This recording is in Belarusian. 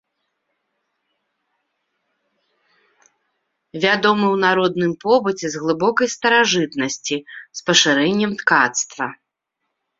Вядомы ў народным побыце з глыбокай старажытнасці з пашырэннем ткацтва.